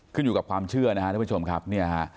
ขึ้นอยู่กับความเชื่อนะฮะท่านผู้ชมครับเนี่ยฮะ